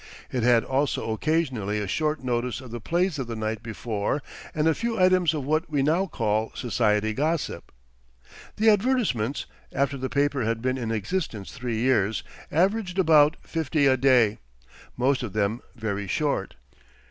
It had also occasionally a short notice of the plays of the night before, and a few items of what we now call society gossip. The advertisements, after the paper had been in existence three years, averaged about fifty a day, most of them very short.